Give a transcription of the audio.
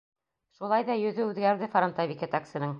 Шулай ҙа йөҙө үҙгәрҙе фронтовик етәксенең.